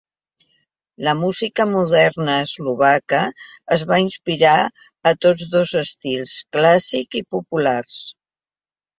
La música moderna eslovaca es va inspirar a tots dos estils clàssics i populars.